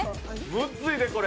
むずいでこれ。